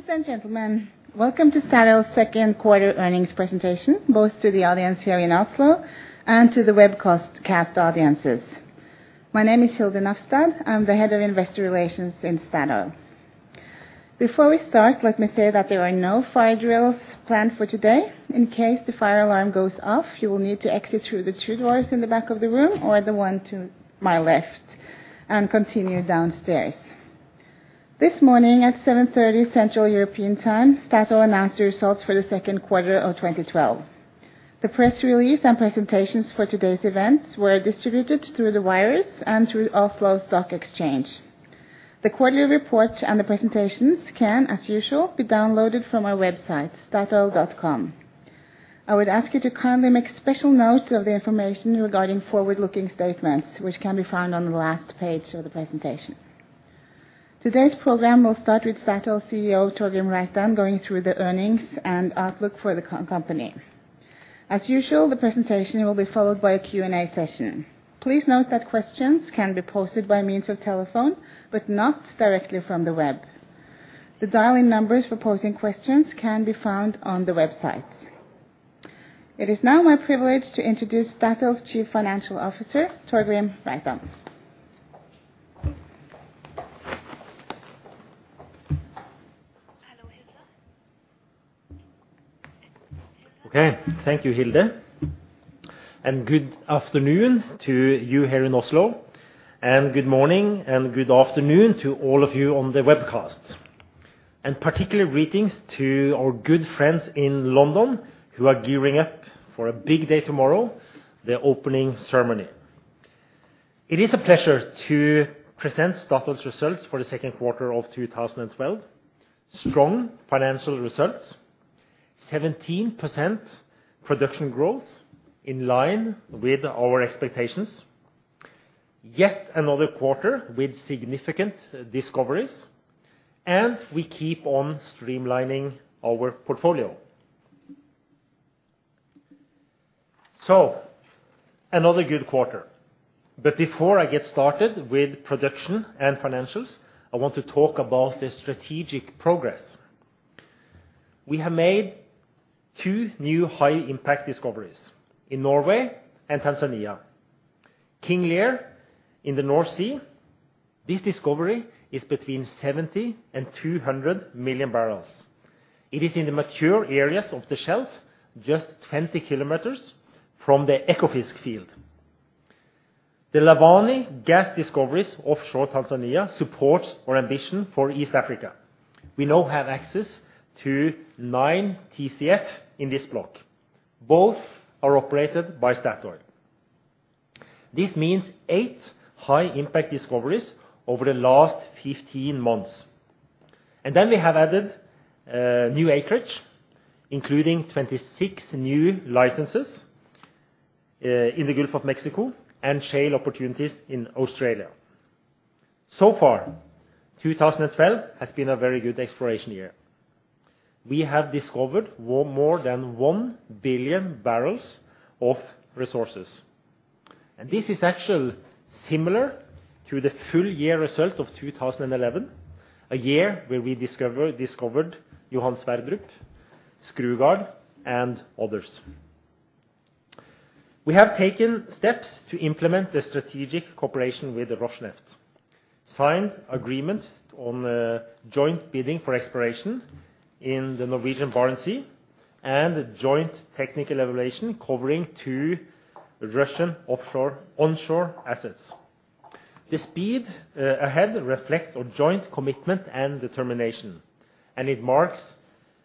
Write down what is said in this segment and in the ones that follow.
Ladies and gentlemen, welcome to Statoil's second quarter earnings presentation, both to the audience here in Oslo and to the webcast audiences. My name is Hilde Nafstad. I'm the Head of Investor Relations in Statoil. Before we start, let me say that there are no fire drills planned for today. In case the fire alarm goes off, you will need to exit through the two doors in the back of the room or the one to my left and continue downstairs. This morning at 7:30 A.M. Central European Time, Statoil announced the results for the second quarter of 2012. The press release and presentations for today's events were distributed through the wires and through Oslo Stock Exchange. The quarterly report and the presentations can, as usual, be downloaded from our website, statoil.com. I would ask you to kindly make special note of the information regarding forward-looking statements, which can be found on the last page of the presentation. Today's program will start with Statoil CEO Torgrim Reitan going through the earnings and outlook for the company. As usual, the presentation will be followed by a Q&A session. Please note that questions can be posted by means of telephone, but not directly from the web. The dial-in numbers for posting questions can be found on the website. It is now my privilege to introduce Statoil's Chief Financial Officer, Torgrim Reitan. Okay. Thank you, Hilde. Good afternoon to you here in Oslo, and good morning and good afternoon to all of you on the webcast. Particular greetings to our good friends in London who are gearing up for a big day tomorrow, the opening ceremony. It is a pleasure to present Statoil's results for the second quarter of 2012. Strong financial results, 17% production growth in line with our expectations, yet another quarter with significant discoveries, and we keep on streamlining our portfolio. Another good quarter. Before I get started with production and financials, I want to talk about the strategic progress. We have made two new high-impact discoveries in Norway and Tanzania. King Lear in the North Sea, this discovery is between 70 and 200 million barrels. It is in the mature areas of the shelf, just 20 kilometers from the Ekofisk field. The Lavani gas discoveries offshore Tanzania supports our ambition for East Africa. We now have access to nine TCF in this block. Both are operated by Statoil. This means eight high-impact discoveries over the last 15 months. We have added new acreage, including 26 new licenses in the Gulf of Mexico and shale opportunities in Australia. So far, 2012 has been a very good exploration year. We have discovered more than 1 billion barrels of resources. This is actually similar to the full year result of 2011, a year where we discovered Johan Sverdrup, Skrugard, and others. We have taken steps to implement the strategic cooperation with Rosneft, signed agreement on joint bidding for exploration in the Norwegian Barents Sea, and a joint technical evaluation covering two Russian offshore, onshore assets. The speed ahead reflects our joint commitment and determination, and it marks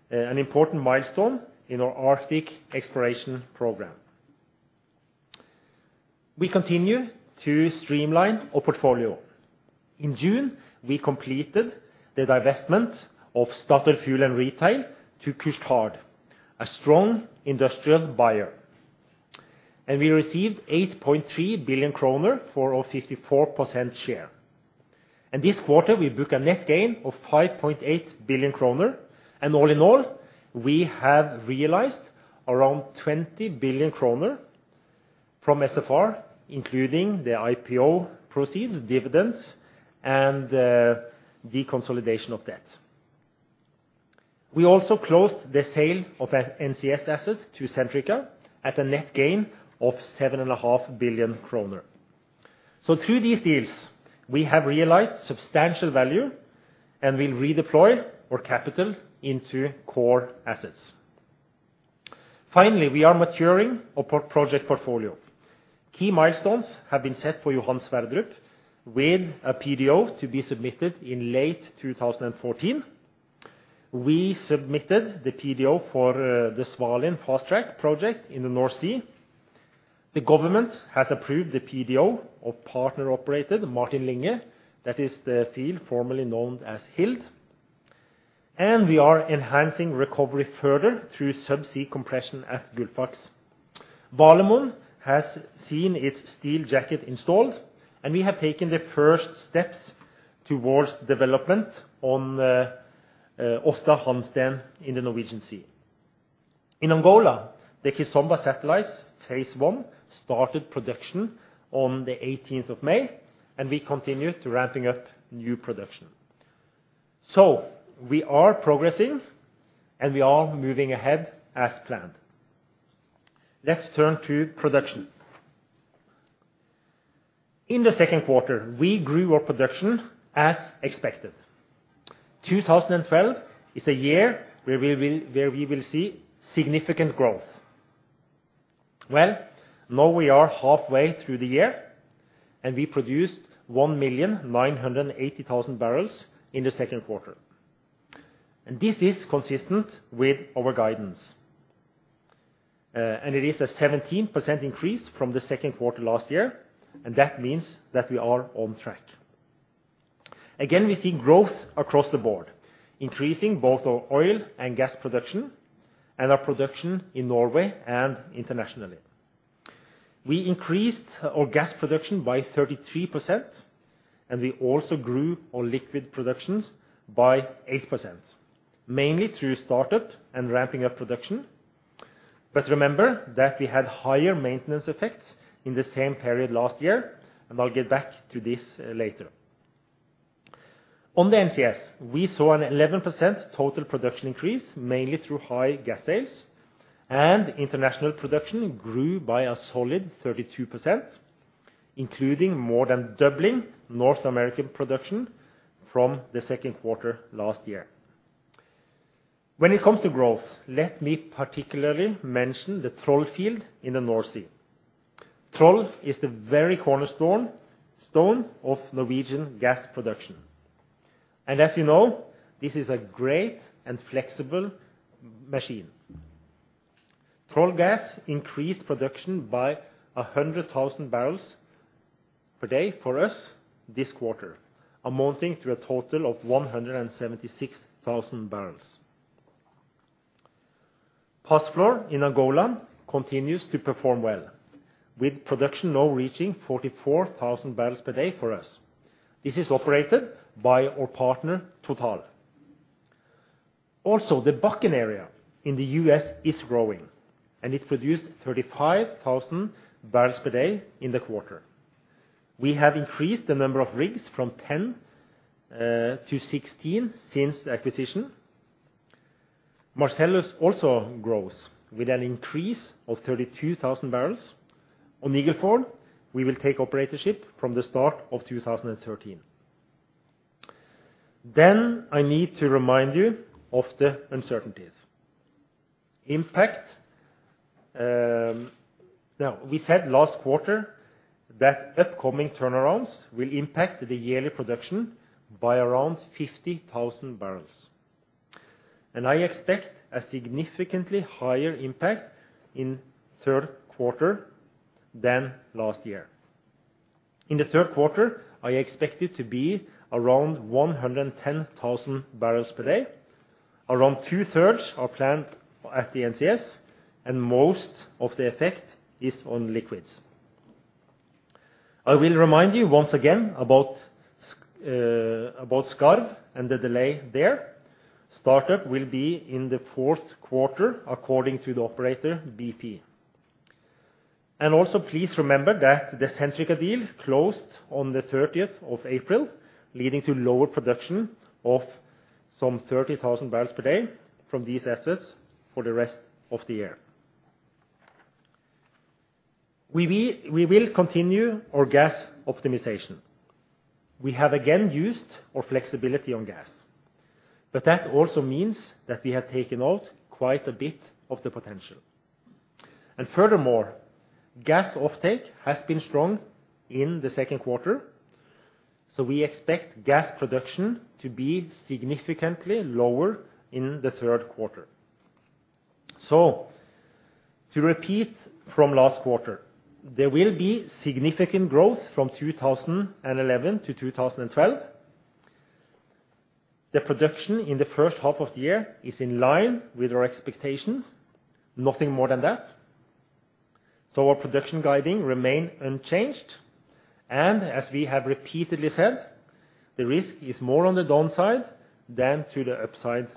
an important milestone in our Arctic exploration program. We continue to streamline our portfolio. In June, we completed the divestment of Statoil Fuel & Retail to Couche-Tard, a strong industrial buyer. We received 8.3 billion kroner for our 54% share. This quarter, we book a net gain of 5.8 billion kroner. All in all, we have realized around 20 billion kroner from SFR, including the IPO proceeds, dividends, and deconsolidation of debt. We also closed the sale of NCS assets to Centrica at a net gain of 7.5 billion kroner. Through these deals, we have realized substantial value and will redeploy our capital into core assets. Finally, we are maturing our project portfolio. Key milestones have been set for Johan Sverdrup with a PDO to be submitted in late 2014. We submitted the PDO for the Svalin fast-track project in the North Sea. The government has approved the PDO of partner-operated Martin Linge. That is the field formerly known as Hild. We are enhancing recovery further through subsea compression at Gullfaks. Valemon has seen its steel jacket installed, and we have taken the first steps towards development on Aasta Hansteen in the Norwegian Sea. In Angola, the Kizomba satellites phase I started production on the 18th of May, and we continued ramping up new production. We are progressing, and we are moving ahead as planned. Let's turn to production. In the second quarter, we grew our production as expected. 2012 is a year where we will see significant growth. Well, now we are halfway through the year, and we produced 1,980,000 barrels in the second quarter. This is consistent with our guidance. It is a 17% increase from the second quarter last year, and that means that we are on track. We see growth across the board, increasing both our oil and gas production and our production in Norway and internationally. We increased our gas production by 33%, and we also grew our liquid productions by 8%, mainly through startup and ramping up production. Remember that we had higher maintenance effects in the same period last year, and I'll get back to this later. On the NCS, we saw an 11% total production increase, mainly through high gas sales, and international production grew by a solid 32%, including more than doubling North American production from the second quarter last year. When it comes to growth, let me particularly mention the Troll field in the North Sea. Troll is the very cornerstone of Norwegian gas production. As you know, this is a great and flexible machine. Troll gas increased production by 100,000 barrels per day for us this quarter, amounting to a total of 176,000 barrels. Pazflor in Angola continues to perform well, with production now reaching 44,000 bpd for us. This is operated by our partner Total. Also, the Bakken area in the U.S. is growing, and it produced 35,000 bpd in the quarter. We have increased the number of rigs from 10-16 since the acquisition. Marcellus also grows with an increase of 32,000 barrels. On Eagle Ford, we will take operatorship from the start of 2013. I need to remind you of the uncertainties. Now we said last quarter that upcoming turnarounds will impact the yearly production by around 50,000 barrels. I expect a significantly higher impact in third quarter than last year. In the third quarter, I expect it to be around 110,000 bpd. Around 2/3 are planned at the NCS, and most of the effect is on liquids. I will remind you once again about Skarv and the delay there. Startup will be in the fourth quarter according to the operator, BP. Please remember that the Centrica deal closed on the 30th of April, leading to lower production of some 30,000 bpd from these assets for the rest of the year. We will continue our gas optimization. We have again used our flexibility on gas. That also means that we have taken out quite a bit of the potential. Furthermore, gas offtake has been strong in the second quarter, so we expect gas production to be significantly lower in the third quarter. To repeat from last quarter, there will be significant growth from 2011-2012. The production in the first half of the year is in line with our expectations, nothing more than that. Our production guidance remains unchanged. As we have repeatedly said, the risk is more on the downside than to the upside.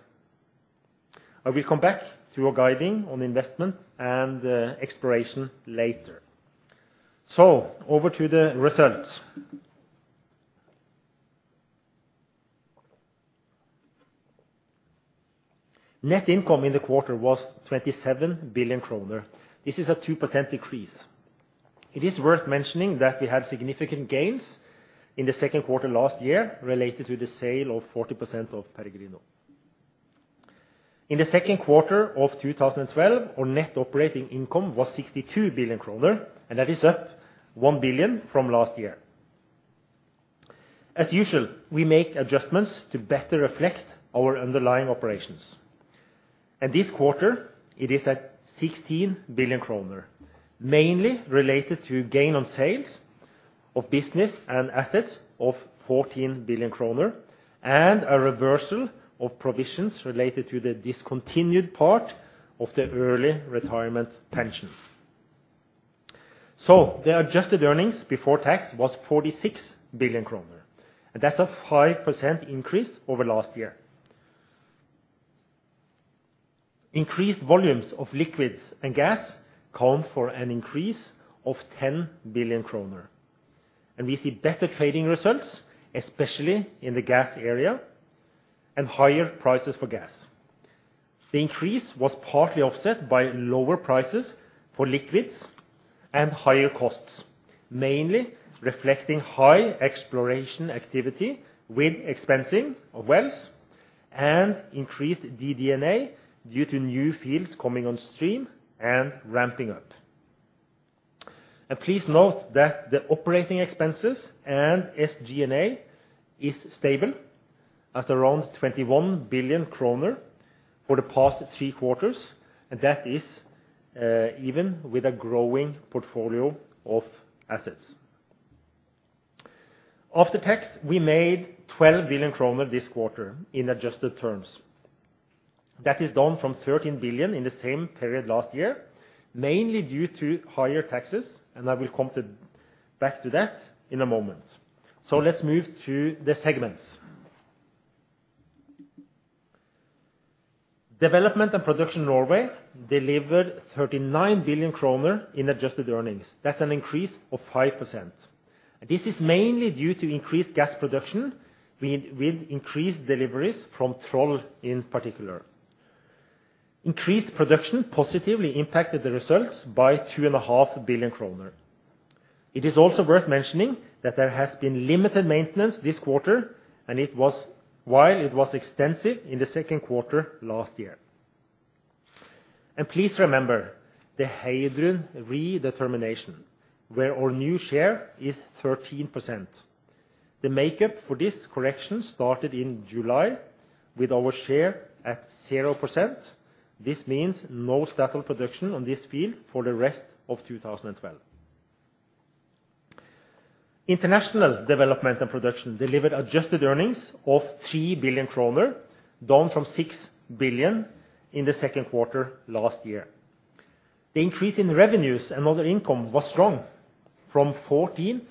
I will come back to our guidance on investment and exploration later. Over to the results. Net income in the quarter was 27 billion kroner. This is a 2% decrease. It is worth mentioning that we had significant gains in the second quarter last year related to the sale of 40% of Peregrino. In the second quarter of 2012, our net operating income was 62 billion kroner, and that is up 1 billion from last year. As usual, we make adjustments to better reflect our underlying operations. This quarter, it is at 16 billion kroner, mainly related to gain on sales of business and assets of 14 billion kroner and a reversal of provisions related to the discontinued part of the early retirement pension. The adjusted earnings before tax was 46 billion kroner, and that's a 5% increase over last year. Increased volumes of liquids and gas account for an increase of 10 billion kroner, and we see better trading results, especially in the gas area, and higher prices for gas. The increase was partly offset by lower prices for liquids and higher costs, mainly reflecting high exploration activity with expensing of wells and increased DD&A due to new fields coming on stream and ramping up. Please note that the operating expenses and SG&A is stable at around 21 billion kroner for the past three quarters, and that is even with a growing portfolio of assets. After tax, we made 12 billion kroner this quarter in adjusted terms. That is down from 13 billion in the same period last year, mainly due to higher taxes, and I will come back to that in a moment. Let's move to the segments. Development and Production Norway delivered 39 billion kroner in adjusted earnings. That's an increase of 5%. This is mainly due to increased gas production with increased deliveries from Troll in particular. Increased production positively impacted the results by 2.5 billion kroner. It is also worth mentioning that there has been limited maintenance this quarter, while it was extensive in the second quarter last year. Please remember the Heidrun redetermination, where our new share is 13%. The makeup for this correction started in July with our share at 0%. This means no Statoil production on this field for the rest of 2012. International Development and Production delivered adjusted earnings of 3 billion kroner, down from 6 billion in the second quarter last year. The increase in revenues and other income was strong, from 14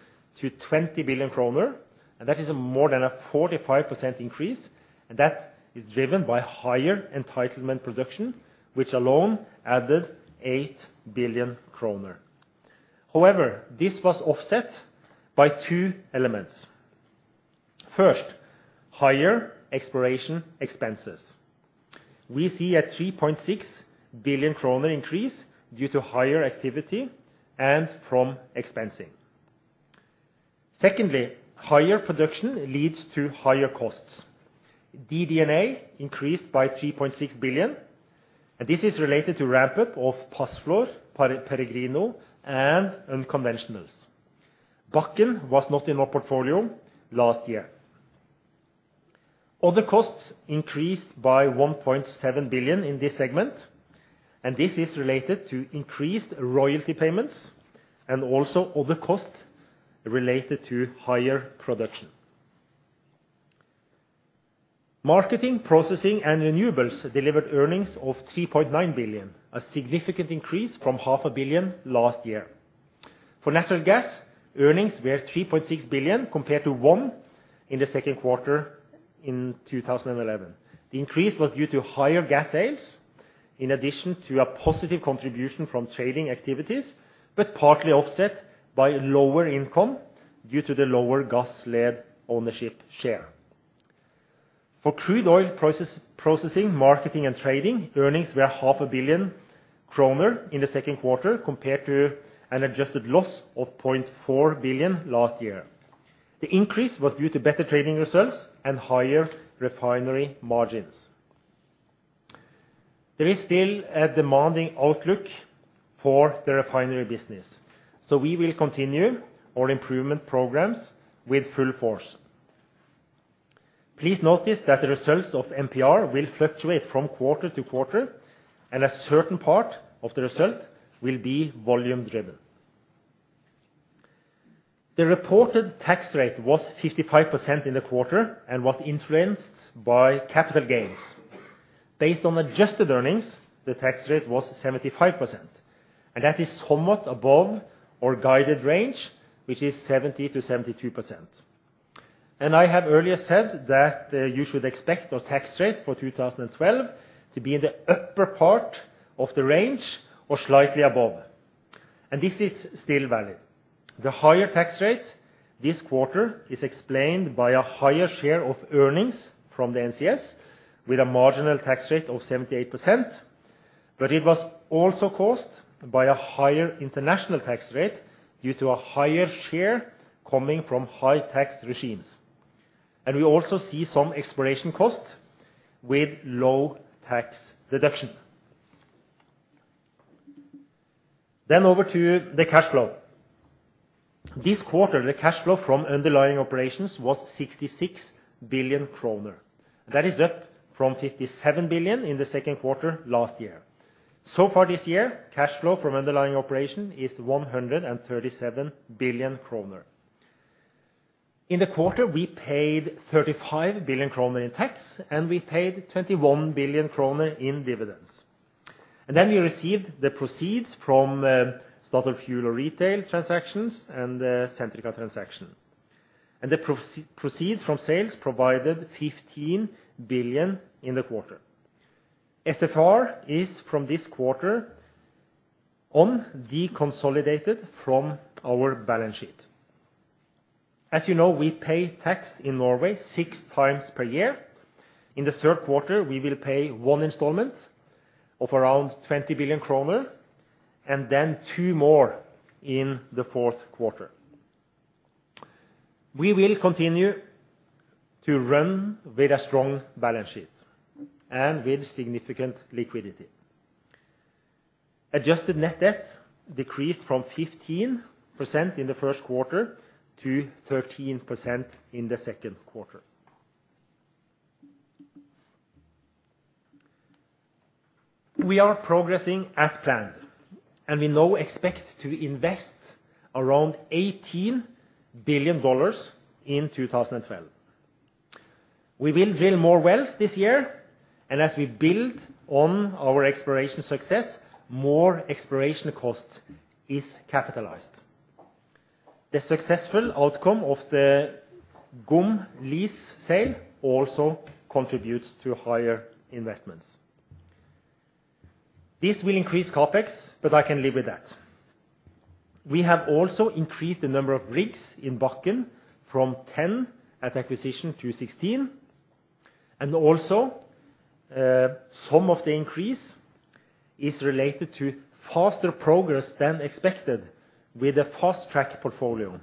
billion-20 billion kroner, and that is more than a 45% increase, and that is driven by higher entitlement production, which alone added 8 billion kroner. However, this was offset by two elements. First, higher exploration expenses. We see a 3.6 billion kroner increase due to higher activity and from expensing. Secondly, higher production leads to higher costs. DD&A increased by 3.6 billion, and this is related to ramp up of Pazflor, Peregrino and unconventionals. Bakken was not in our portfolio last year. Other costs increased by 1.7 billion in this segment, and this is related to increased royalty payments and also other costs related to higher production. Marketing, Processing and Renewables delivered earnings of 3.9 billion, a significant increase from 500 million last year. For natural gas, earnings were 3.6 billion compared to 1 billion in the second quarter in 2011. The increase was due to higher gas sales, in addition to a positive contribution from trading activities, but partly offset by lower income due to the lower Gassled ownership share. For crude oil processing, marketing and trading, earnings were 500 million kroner in the second quarter compared to an adjusted loss of 0.4 billion last year. The increase was due to better trading results and higher refinery margins. There is still a demanding outlook for the refinery business, so we will continue our improvement programs with full force. Please notice that the results of MPR will fluctuate from quarter to quarter, and a certain part of the result will be volume driven. The reported tax rate was 55% in the quarter and was influenced by capital gains. Based on adjusted earnings, the tax rate was 75%, and that is somewhat above our guided range, which is 70%-72%. I have earlier said that, you should expect our tax rate for 2012 to be in the upper part of the range or slightly above it, and this is still valid. The higher tax rate this quarter is explained by a higher share of earnings from the NCS with a marginal tax rate of 78%. It was also caused by a higher international tax rate due to a higher share coming from high tax regimes. We also see some exploration costs with low tax deduction. Over to the cash flow. This quarter, the cash flow from underlying operations was 66 billion kroner. That is up from 57 billion in the second quarter last year. So far this year, cash flow from underlying operation is 137 billion kroner. In the quarter, we paid 35 billion kroner in tax, and we paid 21 billion kroner in dividends. We received the proceeds from Statoil Fuel & Retail transactions and the Centrica transaction. The proceeds from sales provided 15 billion in the quarter. SFR is from this quarter on deconsolidated from our balance sheet. As you know, we pay tax in Norway six times per year. In the third quarter, we will pay one installment of around 20 billion kroner, and then two more in the fourth quarter. We will continue to run with a strong balance sheet and with significant liquidity. Adjusted net debt decreased from 15% in the first quarter to 13% in the second quarter. We are progressing as planned, and we now expect to invest around $18 billion in 2012. We will drill more wells this year, and as we build on our exploration success, more exploration cost is capitalized. The successful outcome of the GoM lease sale also contributes to higher investments. This will increase CapEx, but I can live with that. We have also increased the number of rigs in Bakken from 10 at acquisition to 16. Some of the increase is related to faster progress than expected with the fast-track portfolio.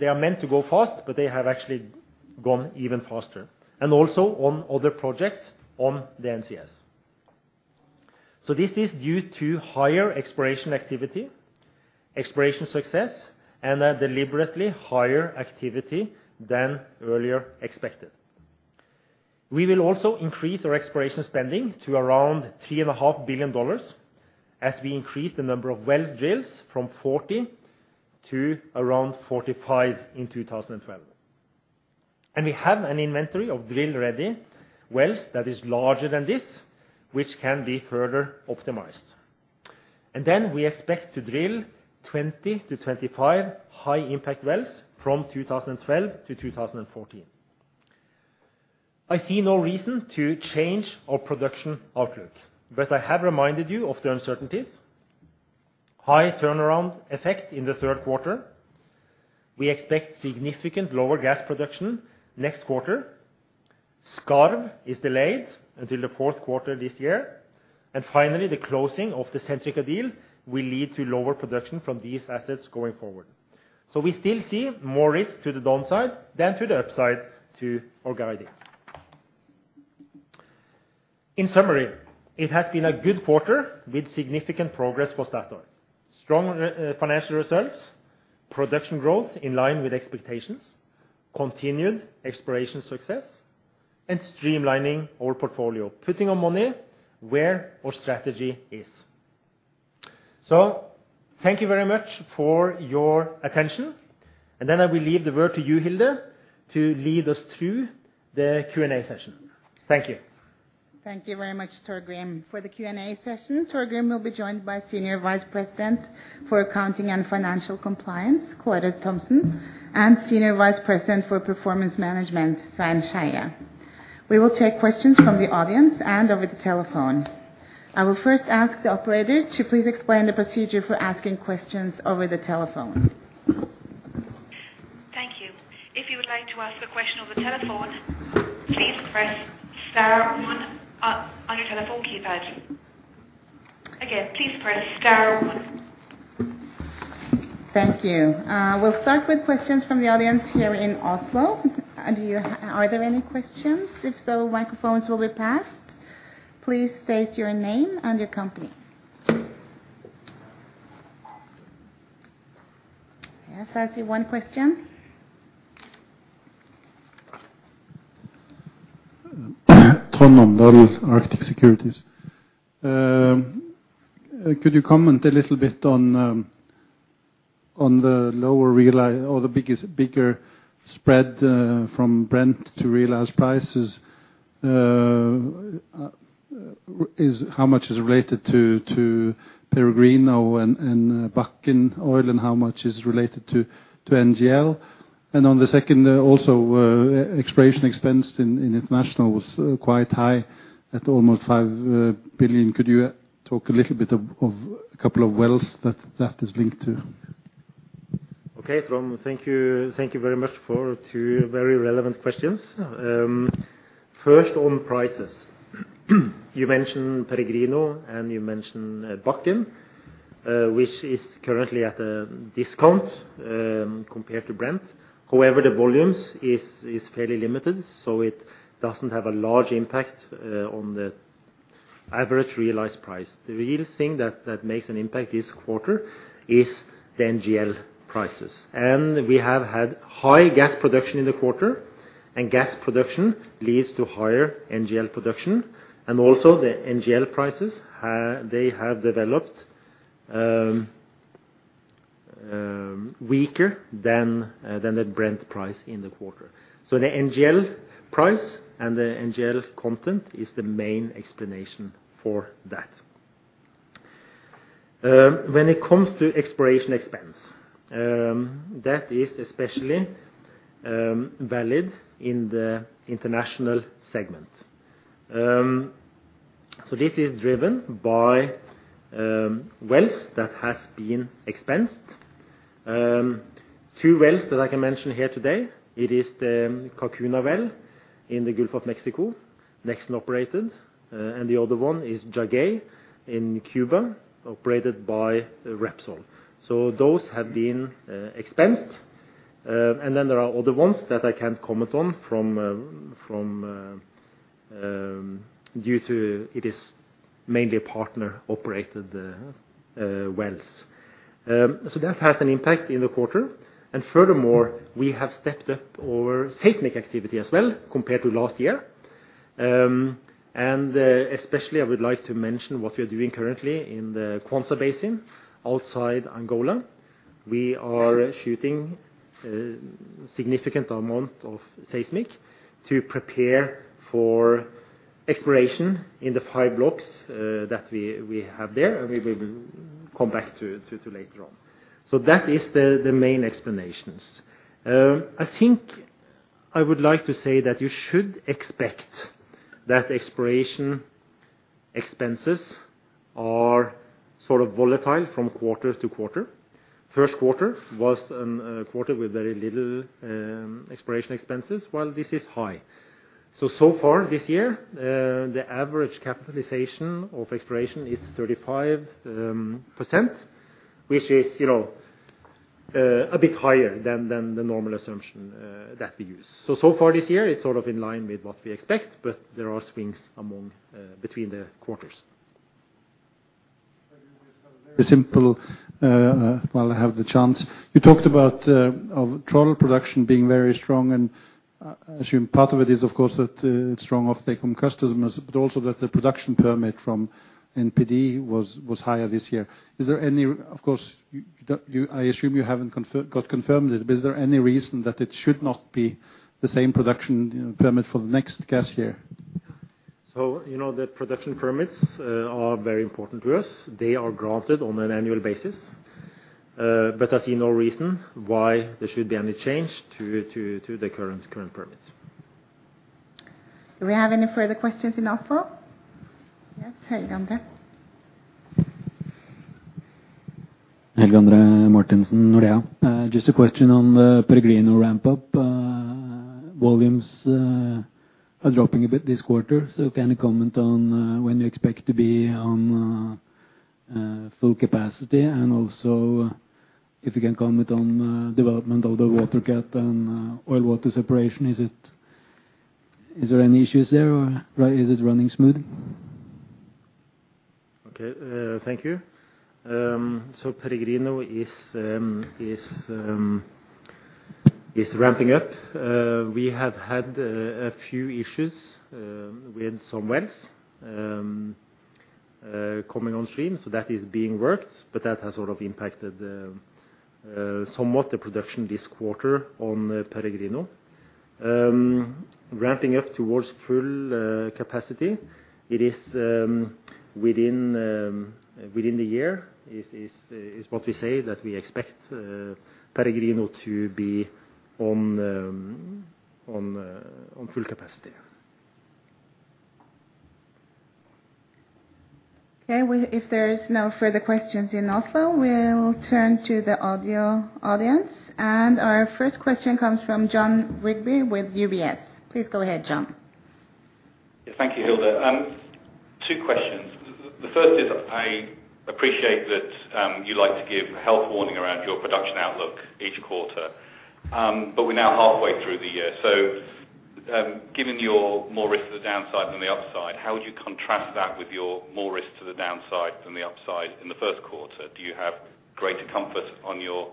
They are meant to go fast, but they have actually gone even faster. On other projects on the NCS. This is due to higher exploration activity, exploration success, and a deliberately higher activity than earlier expected. We will also increase our exploration spending to around $3.5 billion as we increase the number of well drills from 40 to around 45 in 2012. We have an inventory of drill-ready wells that is larger than this, which can be further optimized. We expect to drill 20-25 high-impact wells from 2012-2014. I see no reason to change our production outlook, but I have reminded you of the uncertainties. High turnaround effect in the third quarter. We expect significant lower gas production next quarter. Skarv is delayed until the fourth quarter this year. Finally, the closing of the Centrica deal will lead to lower production from these assets going forward. We still see more risk to the downside than to the upside to our guiding. In summary, it has been a good quarter with significant progress for Statoil. Strong, financial results, production growth in line with expectations, continued exploration success, and streamlining our portfolio, putting our money where our strategy is. Thank you very much for your attention. I will leave the word to you, Hilde, to lead us through the Q&A session. Thank you. Thank you very much, Torgrim. For the Q&A session, Torgrim will be joined by Senior Vice President for Accounting and Financial Compliance, Kåre Thomsen, and Senior Vice President for Performance Management, Svein Skeie. We will take questions from the audience and over the telephone. I will first ask the operator to please explain the procedure for asking questions over the telephone. Thank you. If you would like to ask a question over the telephone, please press star one on your telephone keypad. Again, please press star one. Thank you. We'll start with questions from the audience here in Oslo. Are there any questions? If so, microphones will be passed. Please state your name and your company. Yes, I see one question. Trond Omdal, Arctic Securities. Could you comment a little bit on the bigger spread from Brent to realized prices? How much is related to Peregrino and Bakken oil and how much is related to NGL? On the second, also, exploration expense in international was quite high at almost $5 billion. Could you talk a little bit about a couple of wells that is linked to? Okay, Trond, thank you. Thank you very much for two very relevant questions. First, on prices. You mentioned Peregrino, and you mentioned Bakken, which is currently at a discount, compared to Brent. However, the volumes is fairly limited, so it doesn't have a large impact, on the average realized price. The real thing that makes an impact this quarter is the NGL prices. We have had high gas production in the quarter. Gas production leads to higher NGL production, and also the NGL prices have developed weaker than the Brent price in the quarter. The NGL price and the NGL content is the main explanation for that. When it comes to exploration expense, that is especially valid in the international segment. This is driven by wells that has been expensed. Two wells that I can mention here today, it is the Kakuna well in the Gulf of Mexico, Nexen operated. The other one is Jagüey in Cuba, operated by Repsol. Those have been expensed. Then there are other ones that I can't comment on from due to it is mainly partner-operated wells. That has an impact in the quarter. Furthermore, we have stepped up our seismic activity as well compared to last year. Especially, I would like to mention what we are doing currently in the Kwanza Basin outside Angola. We are shooting a significant amount of seismic to prepare for exploration in the five blocks that we have there, and we will come back to later on. That is the main explanations. I think I would like to say that you should expect that exploration expenses are sort of volatile from quarter to quarter. First quarter was a quarter with very little exploration expenses, while this is high. So far this year, the average capitalization of exploration is 35%, which is, you know, a bit higher than the normal assumption that we use. So far this year, it's sort of in line with what we expect, but there are swings between the quarters. A very simple, while I have the chance. You talked about our Troll production being very strong, and I assume part of it is, of course, that strong offtake from customers, but also that the production permit from NPD was higher this year. Of course, I assume you haven't got it confirmed, but is there any reason that it should not be the same production, you know, permit for the next gas year? you know, the production permits are very important to us. They are granted on an annual basis. I see no reason why there should be any change to the current permits. Do we have any further questions in Oslo? Yes, Helge André. Helge André Martinsen, Nordea. Just a question on the Peregrino ramp-up. Volumes are dropping a bit this quarter. Can you comment on when you expect to be on full capacity? And also, if you can comment on development of the water cut and oil water separation. Is there any issues there, or is it running smoothly? Okay, thank you. Peregrino is ramping up. We have had a few issues with some wells coming on stream, so that is being worked, but that has sort of impacted somewhat the production this quarter on Peregrino. Ramping up towards full capacity, it is within the year, what we say, that we expect Peregrino to be on full capacity. Okay. Well, if there is no further questions in Oslo, we'll turn to the audio audience. Our first question comes from Jon Rigby with UBS. Please go ahead, Jon. Thank you, Hilde. Two questions. The first is I appreciate that you like to give a health warning around your production outlook each quarter. We're now halfway through the year. Given your more risk to the downside than the upside, how would you contrast that with your more risk to the downside than the upside in the first quarter? Do you have greater comfort on your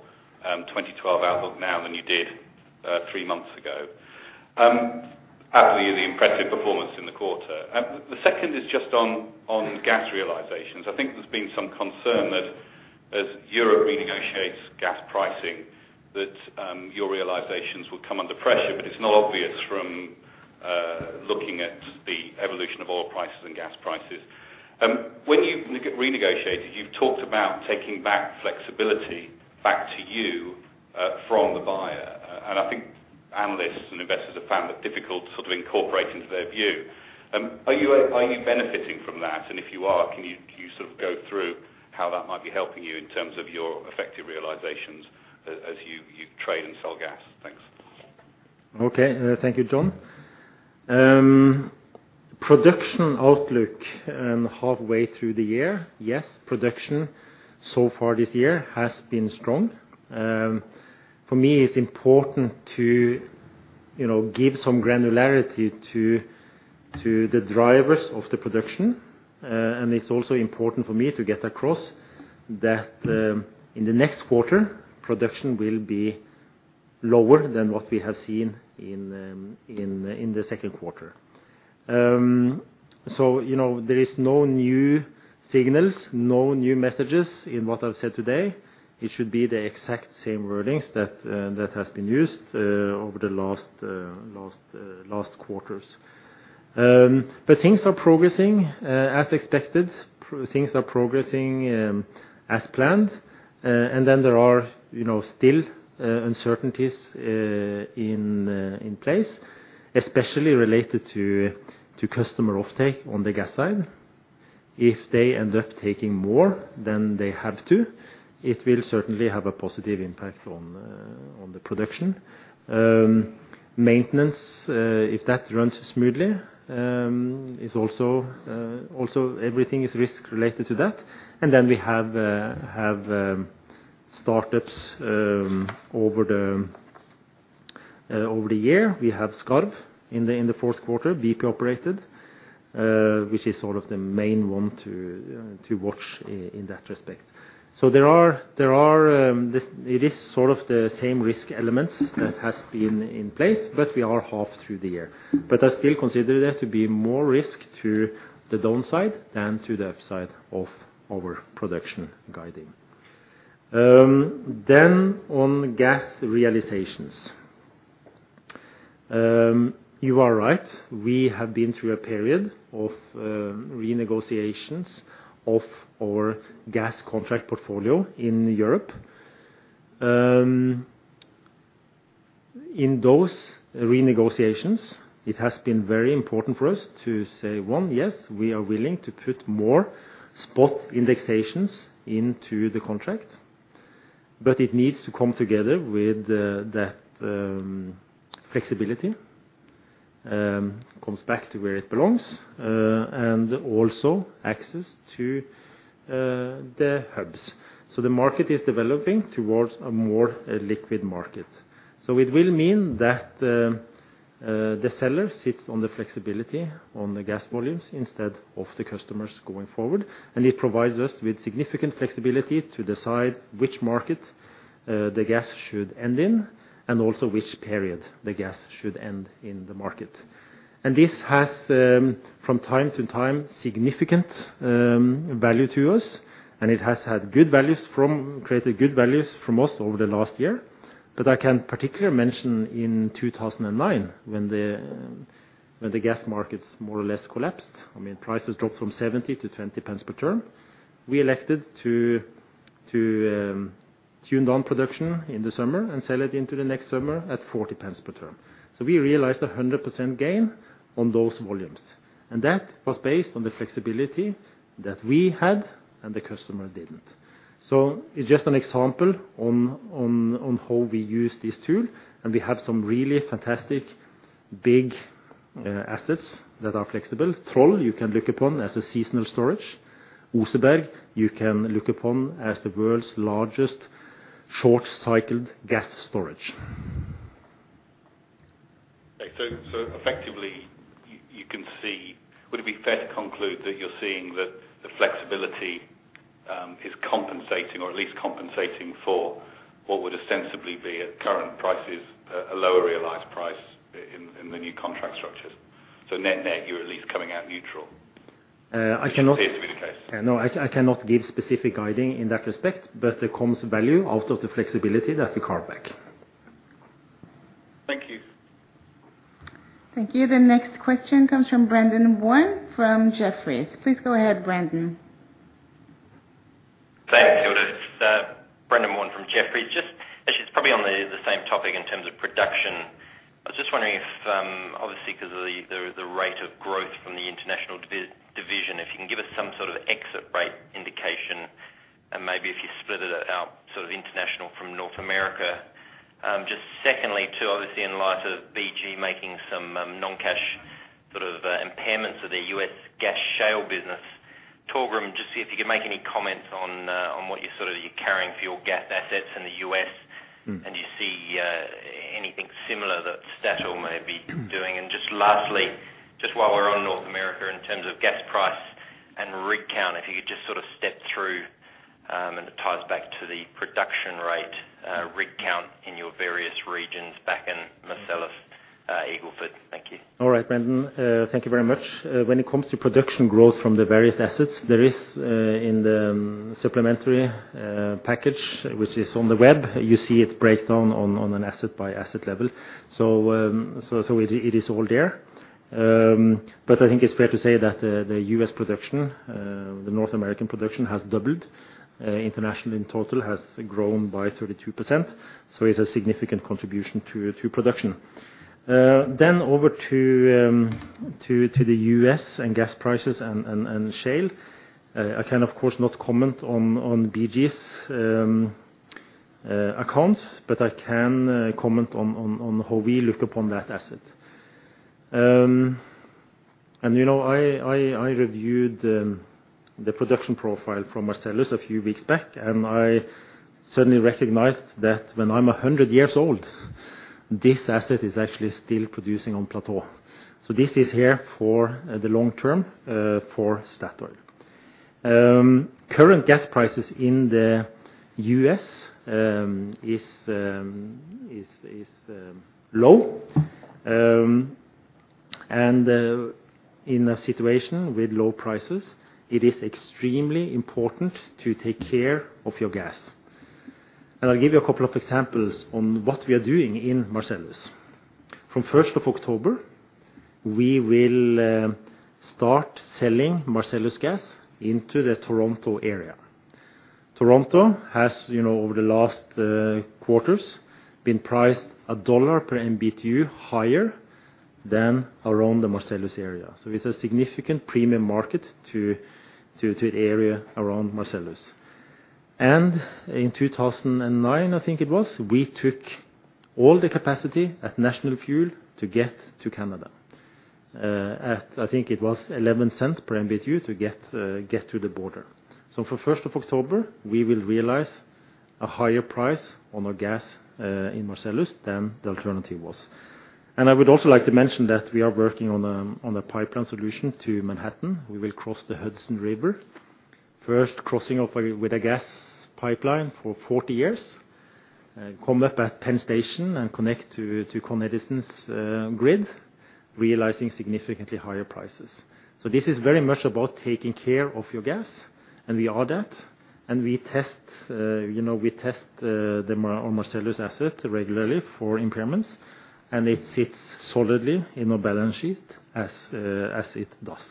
2012 outlook now than you did three months ago? Absolutely impressive performance in the quarter. The second is just on gas realizations. I think there's been some concern that as Europe renegotiates gas pricing, that your realizations will come under pressure, but it's not obvious from looking at the evolution of oil prices and gas prices. When you renegotiated, you've talked about taking back flexibility to you from the buyer. I think analysts and investors have found that difficult to sort of incorporate into their view. Are you benefiting from that? If you are, can you sort of go through how that might be helping you in terms of your effective realizations as you trade and sell gas? Thanks. Okay. Thank you, Jon. Production outlook, halfway through the year. Yes, production so far this year has been strong. For me, it's important to, you know, give some granularity to the drivers of the production. It's also important for me to get across that, in the next quarter, production will be lower than what we have seen in the second quarter. You know, there is no new signals, no new messages in what I've said today. It should be the exact same wordings that has been used over the last quarters. Things are progressing as planned. Then there are, you know, still, uncertainties in place, especially related to customer offtake on the gas side. If they end up taking more than they have to, it will certainly have a positive impact on the production. Maintenance, if that runs smoothly, is also everything risk-related to that. We have startups over the year. We have Skarv in the fourth quarter, BP operated, which is sort of the main one to watch in that respect. There are it is sort of the same risk elements that has been in place, but we are half through the year. I still consider there to be more risk to the downside than to the upside of our production guiding. On gas realizations. You are right, we have been through a period of renegotiations of our gas contract portfolio in Europe. In those renegotiations, it has been very important for us to say, one, yes, we are willing to put more spot indexations into the contract, but it needs to come together with that flexibility comes back to where it belongs and also access to the hubs. The market is developing towards a more liquid market. It will mean that the seller sits on the flexibility on the gas volumes instead of the customers going forward. It provides us with significant flexibility to decide which market the gas should end in and also which period the gas should end in the market. This has, from time to time, significant value to us, and it has created good values for us over the last year. I can particularly mention in 2009 when the gas markets more or less collapsed. I mean, prices dropped from 0.70-0.20 per therm. We elected to turn down production in the summer and sell it into the next summer at 0.40 per therm. We realized a 100% gain on those volumes, and that was based on the flexibility that we had and the customer didn't. It's just an example on how we use this tool, and we have some really fantastic big assets that are flexible. Troll, you can look upon as a seasonal storage. Oseberg, you can look upon as the world's largest short-cycled gas storage. Effectively, you can see. Would it be fair to conclude that you're seeing that the flexibility is compensating or at least compensating for what would ostensibly be at current prices, a lower realized price in the new contract structures? Net-net, you're at least coming out neutral? I cannot. Which would appear to be the case. No, I cannot give specific guidance in that respect, but it creates value out of the flexibility that we carve back. Thank you. Thank you. The next question comes from Brendan Warn from Jefferies. Please go ahead, Brendan. Thanks, Hilde. It's Brendan Warn from Jefferies. Just actually it's probably on the same topic in terms of production. I was just wondering if, obviously, 'cause of the rate of growth from the international division, if you can give us some sort of exit rate indication and maybe if you split it out sort of international from North America. Just secondly to obviously in light of BG making some non-cash sort of impairments of their U.S. gas shale business, Torgrim Reitan, just see if you could make any comments on what you're sort of carrying for your gas assets in the U.S.- Mm. Do you see anything similar that Statoil may be doing? Just lastly, just while we're on North America in terms of gas price and rig count, if you could just sort of step through, and it ties back to the production rate, rig count in your various regions Bakken, Marcellus, Eagle Ford. Thank you. All right, Brendan. Thank you very much. When it comes to production growth from the various assets, there is in the supplementary package, which is on the web, you see the breakdown on an asset-by-asset level. It is all there. I think it's fair to say that the U.S. production, the North American production has doubled. International in total has grown by 32%, so it's a significant contribution to production. Over to the U.S. and gas prices and shale, I can of course not comment on BG's accounts, but I can comment on how we look upon that asset. I reviewed the production profile from Marcellus a few weeks back, and I certainly recognized that when I'm 100 years old, this asset is actually still producing on plateau. This is here for the long term for Statoil. Current gas prices in the US is low. In a situation with low prices, it is extremely important to take care of your gas. I'll give you a couple of examples on what we are doing in Marcellus. From 1st of October, we will start selling Marcellus gas into the Toronto area. Toronto has, you know, over the last quarters been priced $1 per MBtu higher than around the Marcellus area. It's a significant premium market to the area around Marcellus. In 2009, I think it was, we took all the capacity at National Fuel to get to Canada. At I think it was $0.11 per MBtu to get to the border. For the first of October, we will realize a higher price on our gas in Marcellus than the alternative was. I would also like to mention that we are working on a pipeline solution to Manhattan. We will cross the Hudson River, first crossing with a gas pipeline for 40 years, come up at Penn Station and connect to Consolidated Edison's grid, realizing significantly higher prices. This is very much about taking care of your gas, and we are that. We test you know our Marcellus asset regularly for impairments, and it sits solidly in our balance sheet as it does.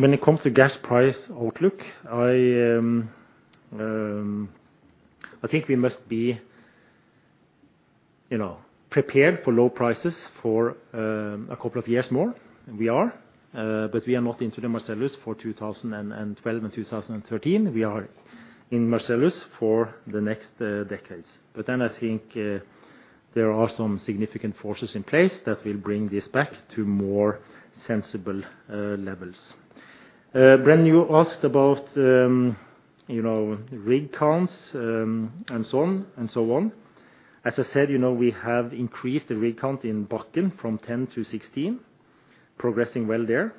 When it comes to gas price outlook, I think we must be you know prepared for low prices for a couple of years more, and we are. We are not into the Marcellus for 2012 and 2013. We are in Marcellus for the next decades. I think there are some significant forces in place that will bring this back to more sensible levels. Brent, you asked about you know rig counts and so on. As I said, you know, we have increased the rig count in Bakken from 10-16, progressing well there.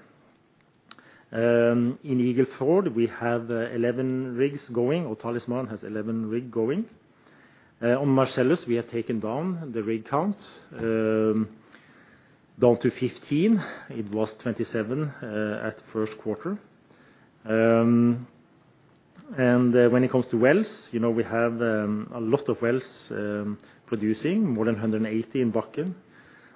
In Eagle Ford, we have 11 rigs going, or Talisman has 11 rigs going. On Marcellus, we have taken down the rig counts down to 15. It was 27 at first quarter. When it comes to wells, you know, we have a lot of wells producing, more than 180 in Bakken,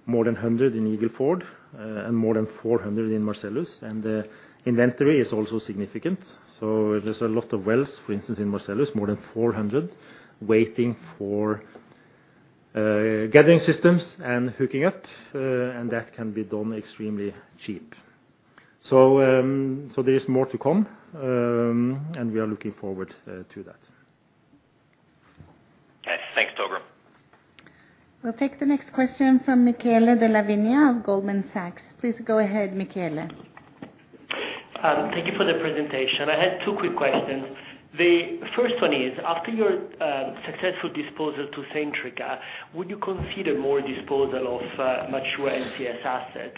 more than 100 in Eagle Ford, and more than 400 in Marcellus. The inventory is also significant, so there's a lot of wells, for instance, in Marcellus, more than 400 waiting for gathering systems and hooking up, and that can be done extremely cheap. There is more to come, and we are looking forward to that. Okay. Thanks, Torgrim Reitan. We'll take the next question from Michele Della Vigna of Goldman Sachs. Please go ahead, Michele. Thank you for the presentation. I had two quick questions. The first one is, after your successful disposal to Centrica, would you consider more disposal of mature NCS assets?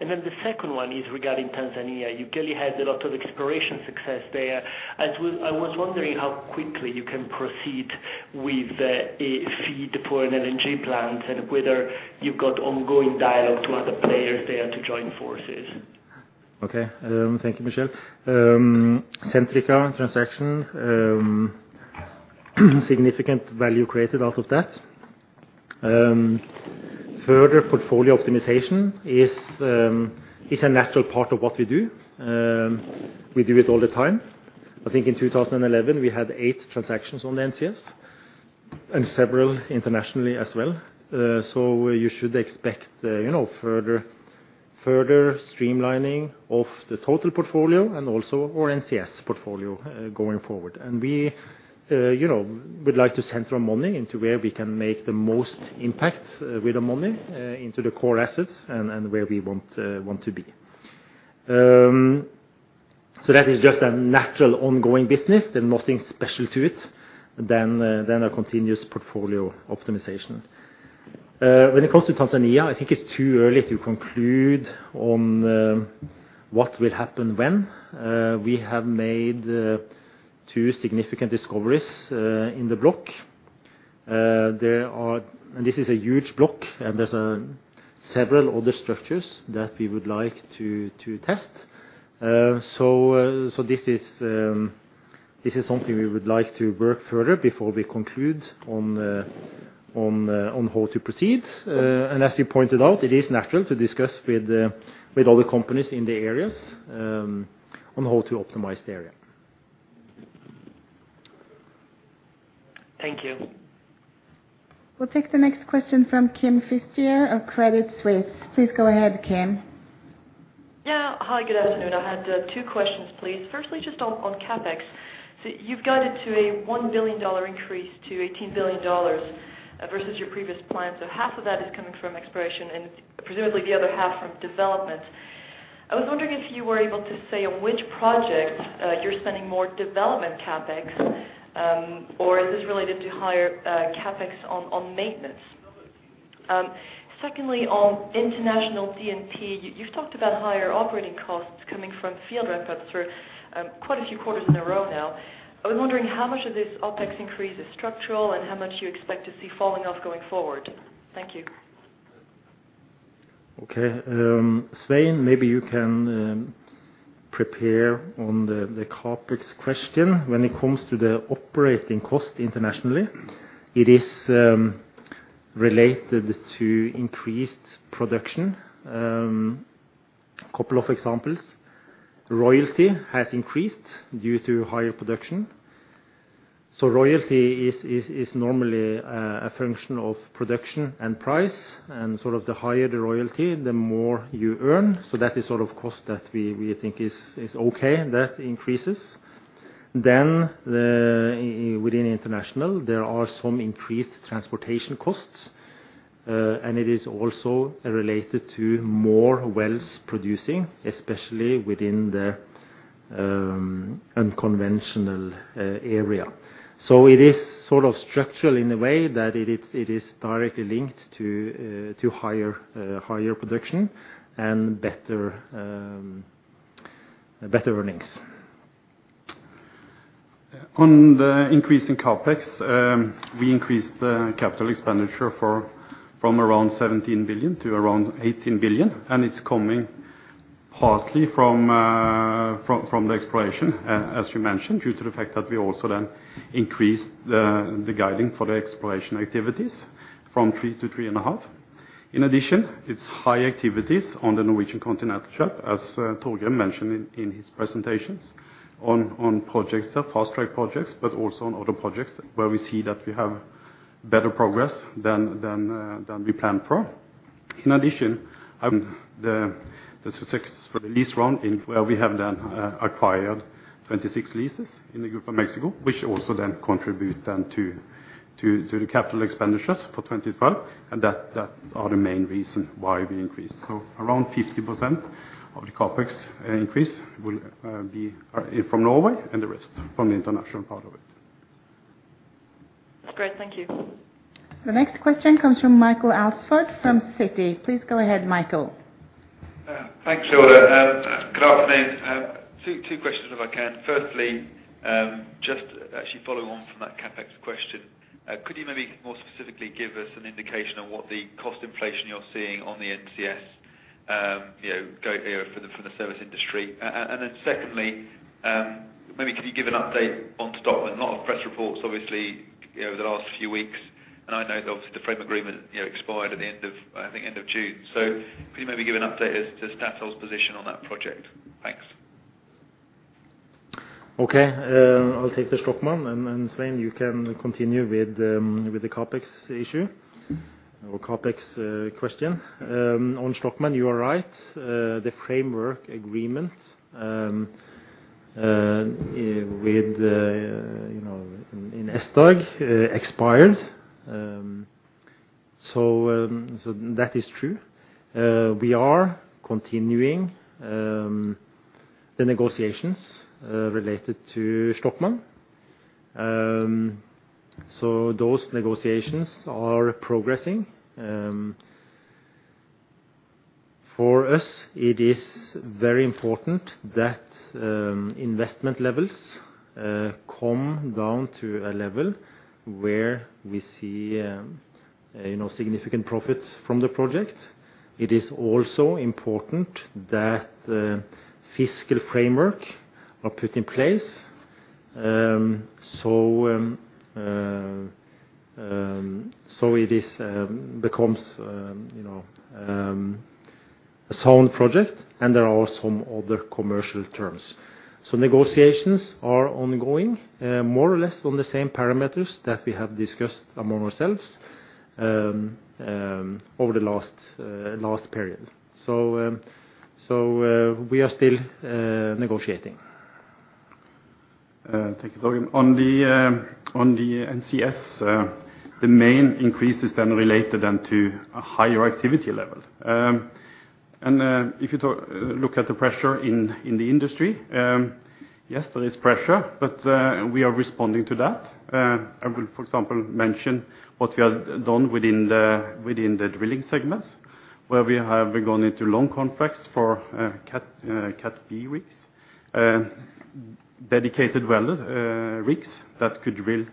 The second one is regarding Tanzania. You clearly had a lot of exploration success there. I was wondering how quickly you can proceed with a FEED for an LNG plant and whether you've got ongoing dialogue to other players there to join forces? Okay. Thank you, Michele. Centrica transaction, significant value created out of that. Further portfolio optimization is a natural part of what we do. We do it all the time. I think in 2011, we had eight transactions on the NCS and several internationally as well. You should expect, you know, further streamlining of the total portfolio and also our NCS portfolio, going forward. We would like to center our money into where we can make the most impact with the money, into the core assets and where we want to be. That is just a natural ongoing business and nothing special to it than a continuous portfolio optimization. When it comes to Tanzania, I think it's too early to conclude on what will happen when. We have made two significant discoveries in the block. This is a huge block, and there's several other structures that we would like to test. This is something we would like to work further before we conclude on how to proceed. As you pointed out, it is natural to discuss with other companies in the areas on how to optimize the area. Thank you. We'll take the next question from Kim Fustier of Credit Suisse. Please go ahead, Kim. Yeah. Hi, good afternoon. I had two questions, please. Firstly, just on CapEx. You've got it to a $1 billion increase to $18 billion versus your previous plan. Half of that is coming from exploration and presumably the other half from development. I was wondering if you were able to say on which project you're spending more development CapEx, or is this related to higher CapEx on maintenance? Secondly, on international D&P, you've talked about higher operating costs coming from field ramp-ups for quite a few quarters in a row now. I was wondering how much of this OpEx increase is structural and how much you expect to see falling off going forward. Thank you. Okay. Svein, maybe you can prepare on the CapEx question. When it comes to the operating cost internationally, it is related to increased production. Couple of examples. Royalty has increased due to higher production. Royalty is normally a function of production and price, and sort of the higher the royalty, the more you earn. That is sort of cost that we think is okay, that increases. Within international, there are some increased transportation costs, and it is also related to more wells producing, especially within the unconventional area. It is sort of structural in a way that it is directly linked to higher production and better earnings. On the increase in CapEx, we increased the capital expenditure from around $17 billion to around $18 billion, and it's coming partly from the exploration, as you mentioned, due to the fact that we also then increased the guiding for the exploration activities from $3 billion-$3.5 billion. In addition, it's high activities on the Norwegian Continental Shelf, as Torgrim mentioned in his presentations on projects, the fast-track projects, but also on other projects where we see that we have better progress than we planned for. In addition, the success for the lease round where we have acquired 26 leases in the Gulf of Mexico, which also contribute to the capital expenditures for 2012, and that are the main reason why we increased. Around 50% of the CapEx increase will be from Norway and the rest from the international part of it. That's great. Thank you. The next question comes from Michael Alsford from Citi. Please go ahead, Michael. Thanks, Hilde Nafstad. Good afternoon. Two questions if I can. Firstly, just actually follow on from that CapEx question. Could you maybe more specifically give us an indication on what the cost inflation you're seeing on the NCS, you know, going forward for the service industry? And then secondly, maybe could you give an update on Shtokman? A lot of press reports, obviously, you know, over the last few weeks, and I know obviously the frame agreement, you know, expired at the end of, I think, end of June. Could you maybe give an update as to Statoil's position on that project? Thanks. Okay. I'll take the Shtokman, and Svein, you can continue with the CapEx issue or CapEx question. On Shtokman, you are right. The framework agreement with you know SDAG expired. That is true. We are continuing the negotiations related to Shtokman. Those negotiations are progressing. For us, it is very important that investment levels come down to a level where we see you know significant profit from the project. It is also important that fiscal framework are put in place. It becomes you know a sound project, and there are some other commercial terms. Negotiations are ongoing, more or less on the same parameters that we have discussed among ourselves, over the last period. We are still negotiating. Thank you, Torgrim. On the NCS, the main increase is related to a higher activity level. If you look at the pressure in the industry, yes, there is pressure, but we are responding to that. I will, for example, mention what we have done within the drilling segments, where we have gone into long contracts for Category B rigs, dedicated well rigs that could drill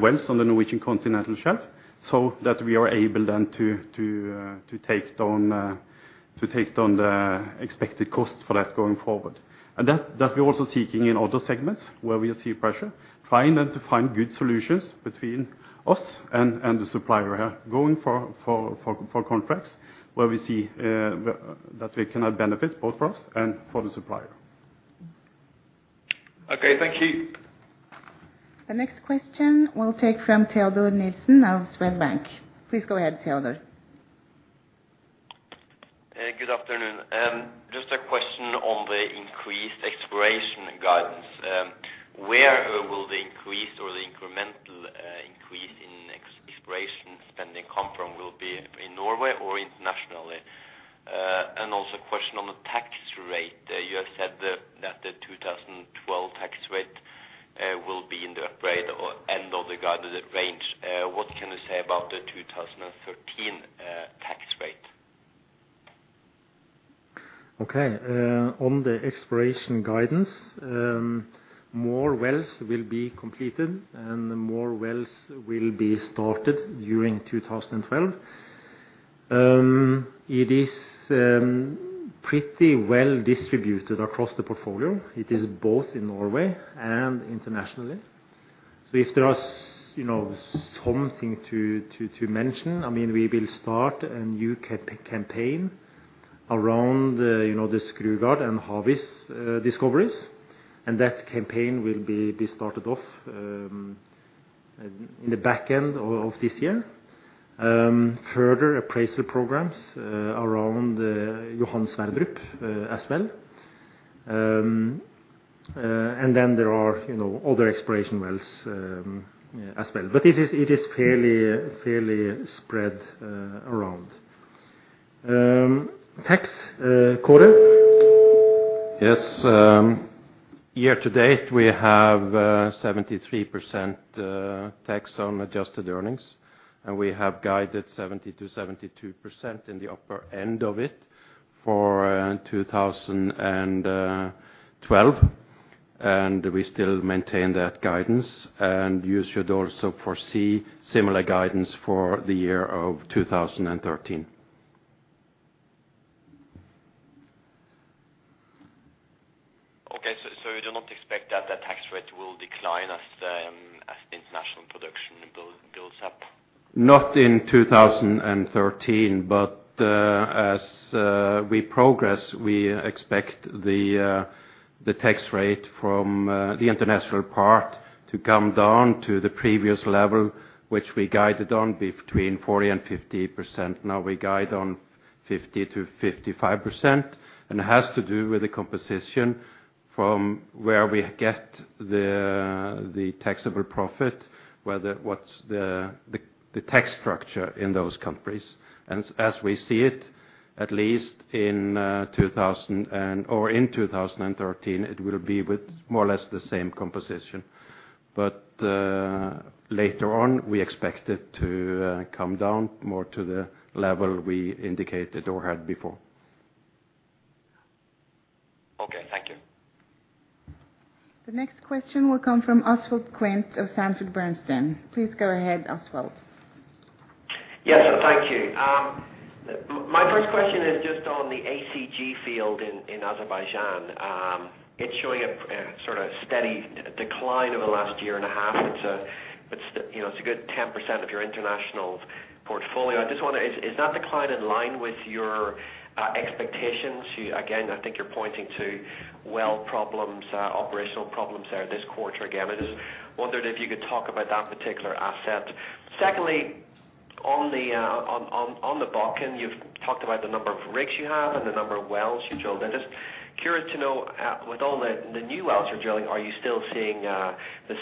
wells on the Norwegian Continental Shelf, so that we are able to take down the expected cost for that going forward. We're also seeking in other segments where we see pressure, trying to find good solutions between us and the supplier. Going for contracts where we see that we cannot benefit both for us and for the supplier. Okay, thank you. The next question we'll take from Teodor Nilsen of Swedbank. Please go ahead, Teodor. Good Afternoon, Just a question on the increased exploration guidance. Where will the increase or the incremental increase in exploration spending come from? Will be in Norway or internationally? Also a question on the tax rate. You have said that the 2012 tax rate will be in the upper end or end of the guided range. What can you say about the 2013 tax rate? Okay. On the exploration guidance, more wells will be completed, and more wells will be started during 2012. It is pretty well distributed across the portfolio. It is both in Norway and internationally. If there is, you know, something to mention, I mean, we will start a new campaign around, you know, the Skrugard and Havis discoveries, and that campaign will be started off in the back end of this year. Further appraisal programs around Johan Sverdrup as well. Then there are, you know, other exploration wells as well. It is fairly spread around. Tax, Kåre? Yes. Year-to-date, we have 73% tax on adjusted earnings, and we have guided 70%-72% in the upper end of it for 2012. We still maintain that guidance, and you should also foresee similar guidance for the year of 2013. You do not expect that the tax rate will decline as the international production builds up? Not in 2013, but as we progress, we expect the tax rate from the international part to come down to the previous level, which we guided on between 40% and 50%. Now we guide on 50%-55%, and it has to do with the composition from where we get the taxable profit, whether what's the tax structure in those countries. As we see it, at least in 2013, it will be with more or less the same composition. Later on, we expect it to come down more to the level we indicated or had before. Okay, thank you. The next question will come from Oswald Clint of Sanford Bernstein. Please go ahead, Oswald. Yes, thank you. My first question is just on the ACG field in Azerbaijan. It's showing a sort of steady decline over the last year and a half. It's, you know, it's a good 10% of your international portfolio. I just wonder, is that decline in line with your expectations? Again, I think you're pointing to well problems, operational problems there this quarter. Again, I just wondered if you could talk about that particular asset. Secondly, on the Bakken, you've talked about the number of rigs you have and the number of wells you drilled. I'm just curious to know, with all the new wells you're drilling, are you still seeing the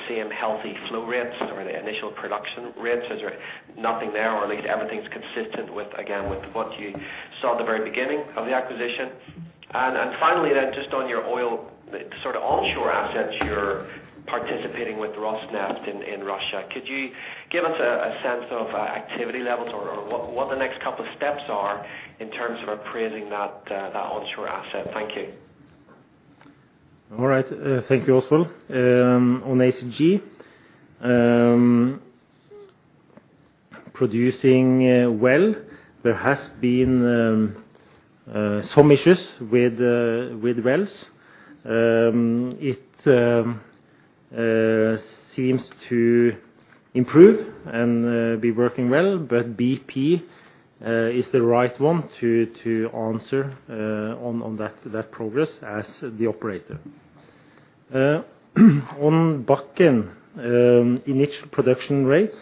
same healthy flow rates or the initial production rates? Is there nothing there or at least everything's consistent with, again, with what you saw at the very beginning of the acquisition? Finally then, just on your oil sort of onshore assets you're participating with Rosneft in Russia, could you give us a sense of activity levels or what the next couple of steps are in terms of appraising that onshore asset? Thank you. All right. Thank you, Oswald. On ACG, producing well, there has been some issues with wells. It seems to improve and be working well, but BP is the right one to answer on that progress as the operator. On Bakken, initial production rates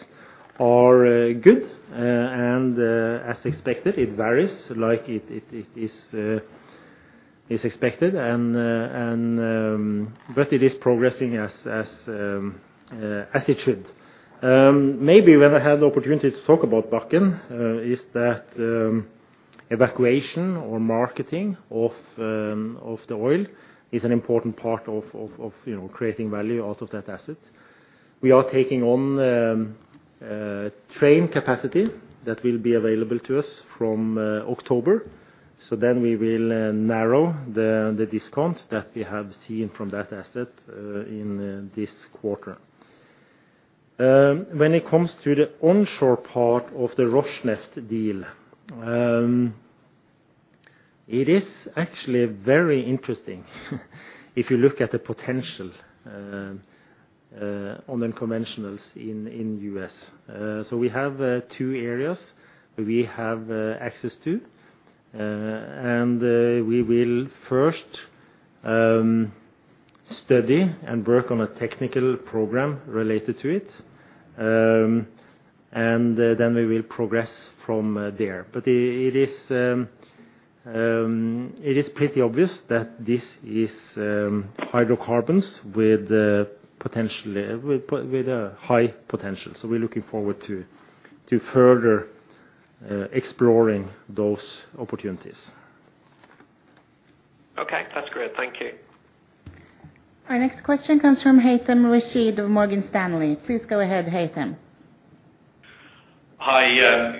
are good and as expected. It varies like it is expected, but it is progressing as it should. Maybe when I have the opportunity to talk about Bakken, that evacuation or marketing of the oil is an important part of, you know, creating value out of that asset. We are taking on train capacity that will be available to us from October. We will narrow the discount that we have seen from that asset in this quarter. When it comes to the onshore part of the Rosneft deal, it is actually very interesting if you look at the potential on the conventionals in U.S. We have two areas we have access to. We will first study and work on a technical program related to it, and then we will progress from there. It is pretty obvious that this is hydrocarbons with a high potential. We're looking forward to further exploring those opportunities. Okay, that's great. Thank you. Our next question comes from Haythem Rashed of Morgan Stanley. Please go ahead, Haythem. Hi,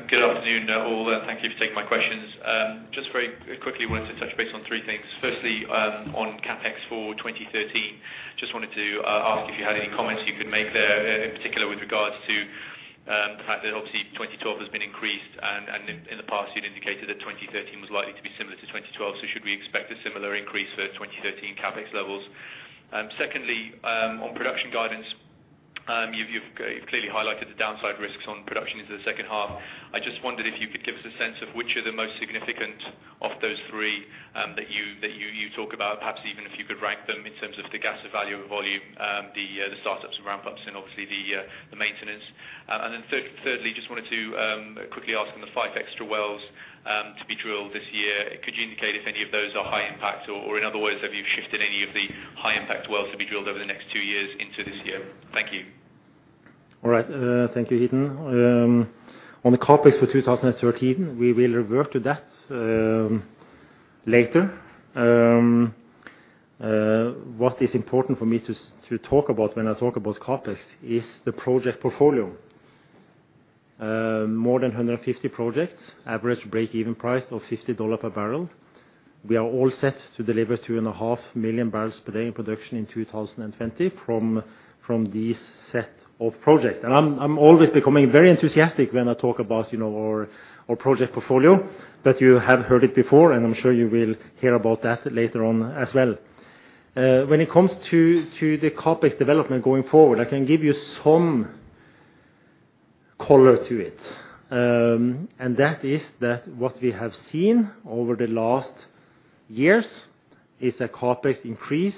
good afternoon all, and thank you for taking my questions. Just very quickly wanted to touch base on three things. Firstly, on CapEx for 2013, just wanted to ask if you had any comments you could make there, in particular with regards to the fact that obviously 2012 has been increased. In the past, you'd indicated that 2013 was likely to be similar to 2012. Should we expect a similar increase for 2013 CapEx levels? Secondly, on production guidance, you've clearly highlighted the downside risks on production into the second half. I just wondered if you could give us a sense of which are the most significant of those three that you talk about, perhaps even if you could rank them in terms of the gas evaluable volume, the startups and ramp-ups and obviously the maintenance. Then thirdly, just wanted to quickly ask on the five extra wells to be drilled this year. Could you indicate if any of those are high impact? Or in other words, have you shifted any of the high impact wells to be drilled over the next two years into this year? Thank you. Thank you, Haytham. On the CapEx for 2013, we will revert to that later. What is important for me to talk about when I talk about CapEx is the project portfolio. More than 150 projects, average break-even price of $50 per barrel. We are all set to deliver 2.5 million bpd in production in 2020 from this set of projects. I'm always becoming very enthusiastic when I talk about, you know, our project portfolio, but you have heard it before, and I'm sure you will hear about that later on as well. When it comes to the CapEx development going forward, I can give you some color to it. That is what we have seen over the last years is a CapEx increase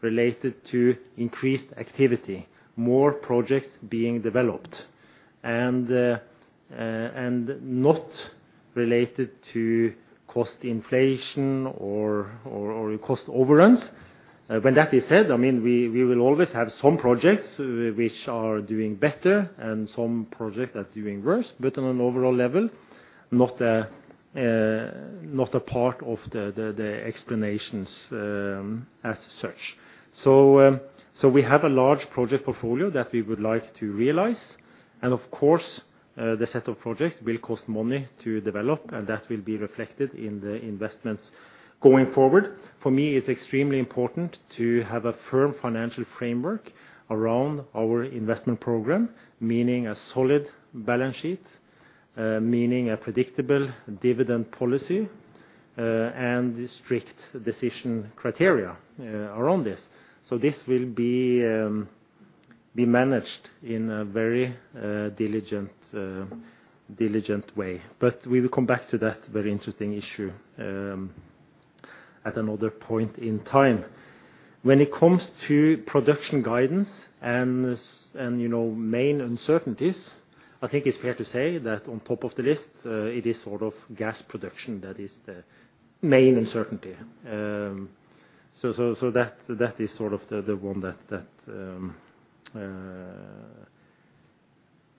related to increased activity, more projects being developed and not related to cost inflation or cost overruns. When that is said, I mean, we will always have some projects which are doing better and some projects that are doing worse, but on an overall level, not a part of the explanations as such. We have a large project portfolio that we would like to realize. Of course, the set of projects will cost money to develop, and that will be reflected in the investments going forward. For me, it's extremely important to have a firm financial framework around our investment program, meaning a solid balance sheet, meaning a predictable dividend policy, and strict decision criteria around this. This will be managed in a very diligent way. We will come back to that very interesting issue at another point in time. When it comes to production guidance and, you know, main uncertainties, I think it's fair to say that on top of the list, it is sort of gas production that is the main uncertainty. So that is sort of the one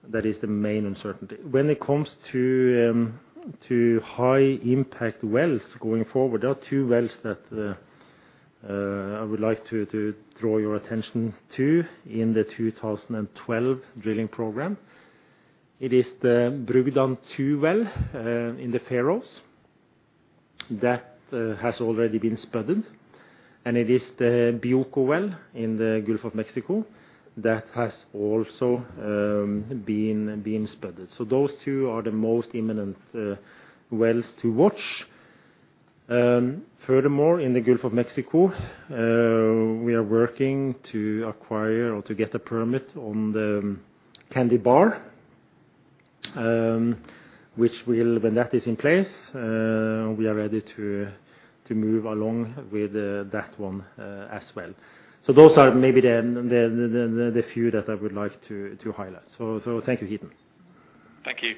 that is the main uncertainty. When it comes to high-impact wells going forward, there are two wells that I would like to draw your attention to in the 2012 drilling program. It is the Brugdan II well in the Faroe Islands that has already been spudded, and it is the Buckskin well in the Gulf of Mexico that has also been spudded. Those two are the most imminent wells to watch. Furthermore, in the Gulf of Mexico, we are working to acquire or to get a permit on the Candy Bar, which will, when that is in place, we are ready to move along with that one as well. Those are maybe the few that I would like to highlight. Thank you, Haythem. Thank you.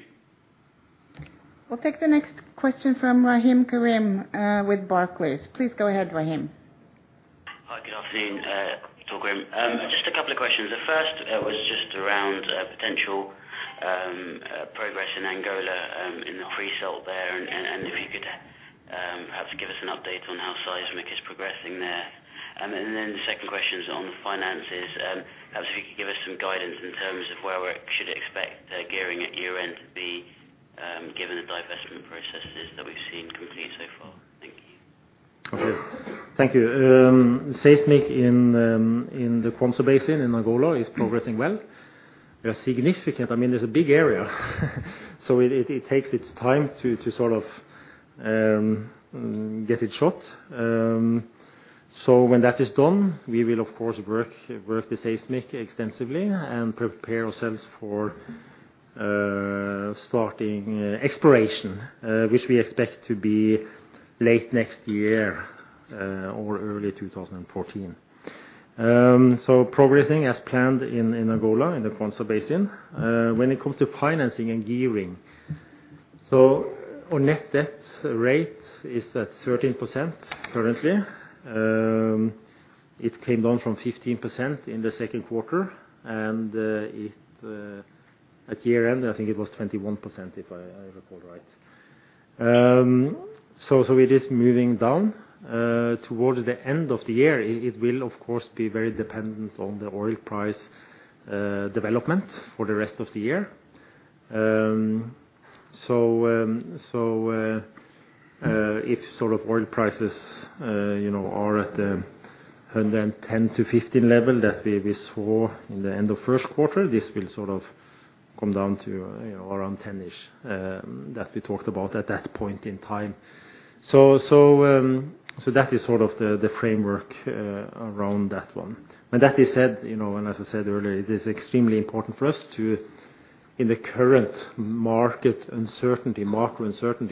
We'll take the next question from Rahim Karim, with Barclays. Please go ahead, Rahim. Hi. Good afternoon, Torgrim. Just a couple of questions. The first was just around potential progress in Angola in the pre-salt there, and if you could perhaps give us an update on how seismic is progressing there. The second question is on the finances. Perhaps if you could give us some guidance in terms of where we should expect gearing at year-end to be, given the divestment processes that we've seen complete so far? Thank you. Okay. Thank you. Seismic in the Kwanza Basin in Angola is progressing well. We are significant. I mean, it's a big area, so it takes its time to sort of get it shot. When that is done, we will of course work the seismic extensively and prepare ourselves for starting exploration, which we expect to be late next year or early 2014. Progressing as planned in Angola in the Kwanza Basin. When it comes to financing and gearing. Our net debt rate is at 13% currently. It came down from 15% in the second quarter, and it at year-end, I think it was 21%, if I recall right. It is moving down towards the end of the year. It will of course be very dependent on the oil price development for the rest of the year. If sort of oil prices you know are at the $110-$115 level that we saw in the end of first quarter, this will sort of come down to you know around 10-ish that we talked about at that point in time. That is sort of the framework around that one. That said you know and as I said earlier, it is extremely important for us to in the current market uncertainty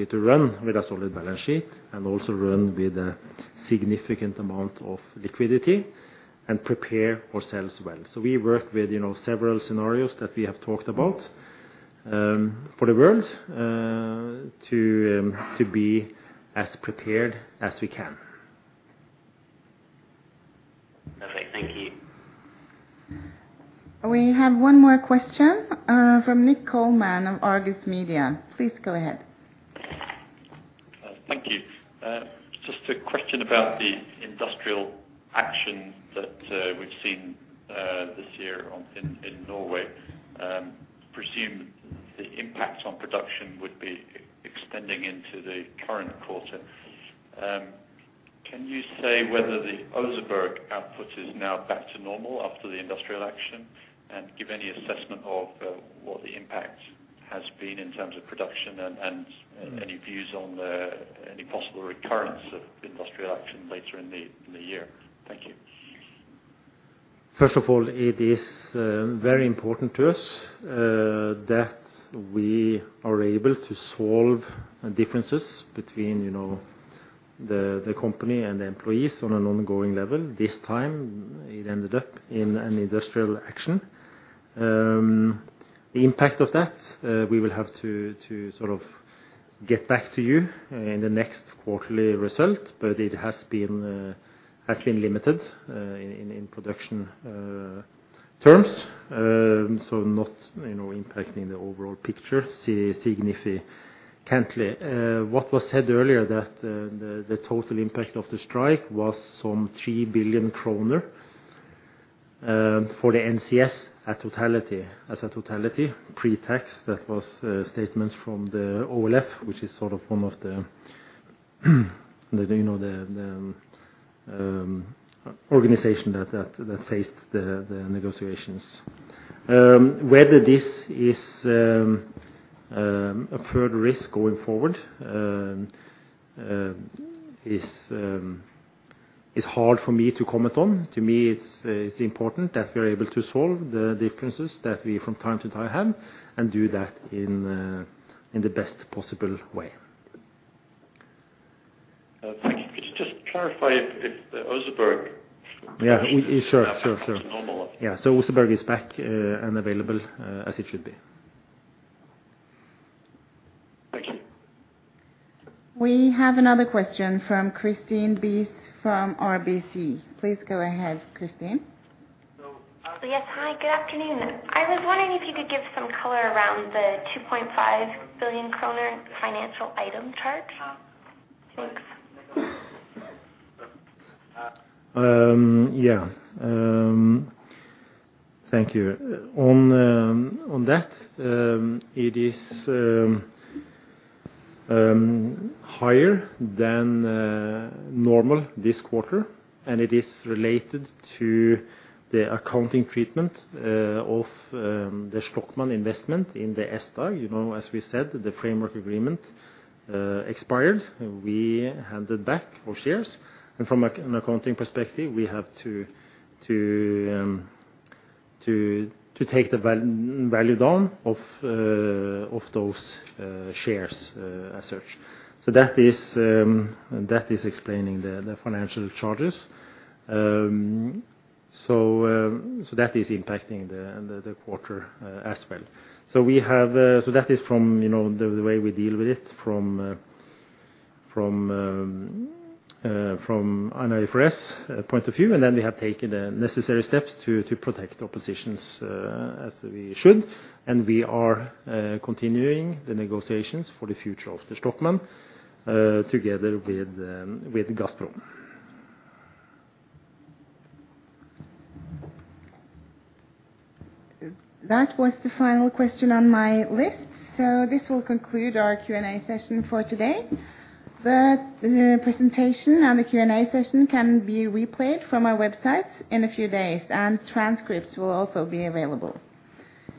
to run with a solid balance sheet and also run with a significant amount of liquidity and prepare ourselves well. We work with, you know, several scenarios that we have talked about for the world to be as prepared as we can. Perfect. Thank you. We have one more question, from Nick Coleman of Argus Media. Please go ahead. Thank you. Just a question about the industrial action that we've seen this year in Norway. Presume the impact on production would be extending into the current quarter. Can you say whether the Oseberg output is now back to normal after the industrial action? Give any assessment of what the impact has been in terms of production and any views on any possible recurrence of industrial action later in the year? Thank you. First of all, it is very important to us that we are able to solve differences between, you know, the company and the employees on an ongoing level. This time it ended up in an industrial action. The impact of that, we will have to sort of get back to you in the next quarterly result, but it has been limited in production terms. Not, you know, impacting the overall picture significantly. What was said earlier that the total impact of the strike was some 3 billion kroner for the NCS at totality, as a totality pre-tax. That was statements from the OLF, which is sort of one of the, you know, the organization that that faced the negotiations. Whether this is a further risk going forward is hard for me to comment on. To me, it's important that we are able to solve the differences that we from time to time have and do that in the best possible way. Thank you. Could you just clarify if Oseberg? Yeah. Sure. Is back to normal? Oseberg is back and available, as it should be. Thank you. We have another question from Christine Bies from RBC. Please go ahead, Christine. Yes. Hi, good afternoon. I was wondering if you could give some color around the NOK 2.5 billion financial item charge? Thanks. Yeah. Thank you. On that, it is higher than normal this quarter, and it is related to the accounting treatment of the Shtokman investment in the SDAG. You know, as we said, the framework agreement expired. We handed back our shares. From an accounting perspective, we have to take the value down of those shares as such. That is explaining the financial charges. That is impacting the quarter as well. That is from, you know, the way we deal with it from IFRS point of view, and then we have taken the necessary steps to protect our positions as we should. We are continuing the negotiations for the future of the Shtokman together with Gazprom. That was the final question on my list. This will conclude our Q&A session for today. The presentation and the Q&A session can be replayed from our website in a few days, and transcripts will also be available.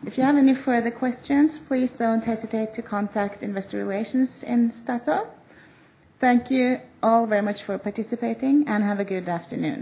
If you have any further questions, please don't hesitate to contact investor relations in Statoil. Thank you all very much for participating, and have a good afternoon.